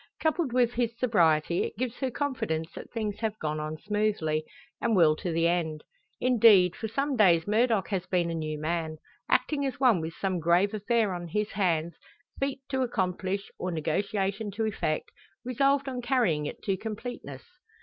Coupled with his sobriety, it gives her confidence that things have gone on smoothly, and will to the end. Indeed, for some days Murdock has been a new man acting as one with some grave affair on his hands feat to accomplish, or negotiation to effect resolved on carrying it to completeness.